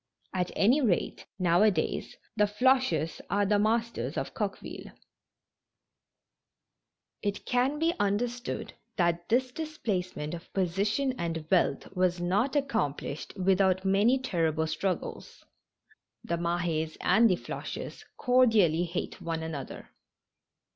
At any rate, now a days the Floches are the masters of Coqueville. It can be understood that this displacement of posi tion and wealth was not accomplished without many ter rible struggles. The Mah^s and the Floches cordially hate one another.